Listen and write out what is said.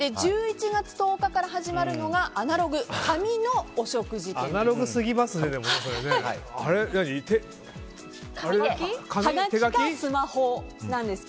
１１月１０日から始まるのがアナログ、紙のお食事券です。